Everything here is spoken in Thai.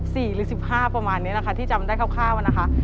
พอสอ๒๕๑๔หรือ๑๕ประมาณนี้นะคะที่จำได้คร่าวนะคะ